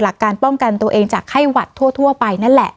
การป้องกันตัวเองจากไข้หวัดทั่วไปนั่นแหละ